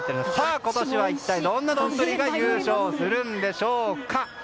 今年は一体、どんな丼が優勝するんでしょうか？